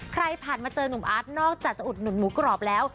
ใครผ่านมาเจอหนุ่มอาร์ตนอกจากจะอุดหนุนหมูกรอบแล้ว